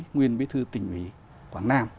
nguyên bế thư tỉnh mỹ quảng nam